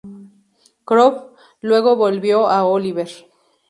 Croft luego volvió a "Oliver!